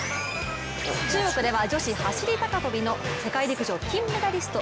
中国では女子走り高跳びの世界陸上金メダリスト